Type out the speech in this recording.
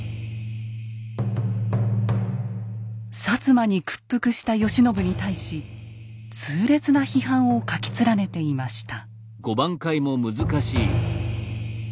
摩に屈服した慶喜に対し痛烈な批判を書き連ねていました。